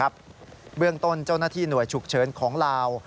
เบื้องต้นเจ้าหน้าที่หน่วยฉุกเฉินของลาว